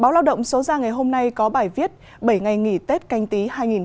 bao lao động số gia hiện ngày nay có bài viết bảy ngày nghỉ tết canh tý hai nghìn hai mươi